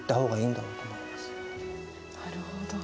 なるほど。